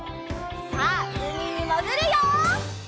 さあうみにもぐるよ！